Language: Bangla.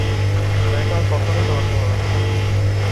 নয়তো আর কখনোই তোমাকে বলা হবে না।